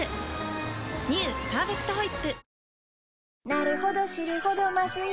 「パーフェクトホイップ」